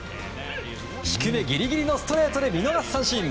低めギリギリのストレートで見逃し三振。